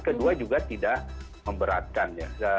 kedua juga tidak memberatkan ya